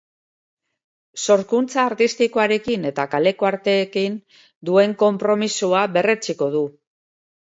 Sorkuntza artistikoarekin eta kaleko arteekin duen konpromisoa berretsiko du.